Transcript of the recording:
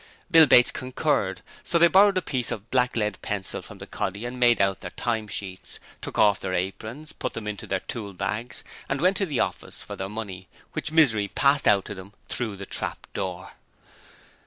Bill Bates concurred, so they borrowed a piece of blacklead pencil from the 'coddy' and made out their time sheets, took off their aprons, put them into their tool bags, and went to the office for their money, which Misery passed out to them through the trap door.